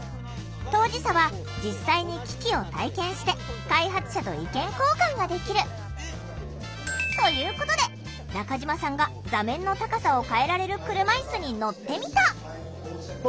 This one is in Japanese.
当事者は実際に機器を体験して開発者と意見交換ができる。ということで中嶋さんが座面の高さを変えられる車いすに乗ってみた。